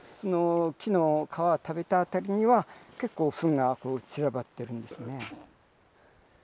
木の皮を食べた辺りには結構フンが散らばってるんですね。